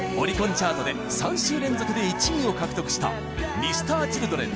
チャートで３週連続で１位を獲得したＭｒ．Ｃｈｉｌｄｒｅｎ